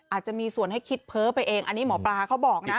อาจจะมีส่วนให้คิดเพ้อไปเองอันนี้หมอปลาเขาบอกนะ